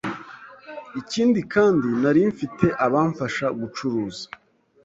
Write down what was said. Ikindi kandi nari mfite abamfasha gucuruza,